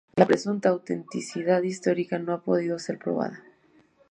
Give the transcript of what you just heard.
La presunta autenticidad histórica no ha podido ser probada.